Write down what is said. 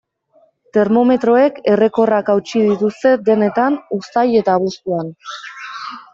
Termometroek errekorrak hautsi dituzte denetan uztail eta abuztuan.